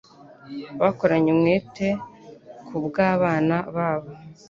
Bakoranye umwete kubwabana babo.